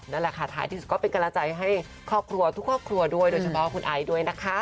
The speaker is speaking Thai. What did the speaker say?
นั่นแหละค่ะท้ายที่สุดก็เป็นกำลังใจให้ครอบครัวทุกครอบครัวด้วยโดยเฉพาะคุณไอซ์ด้วยนะคะ